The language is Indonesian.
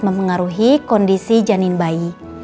mempengaruhi kondisi janin bayi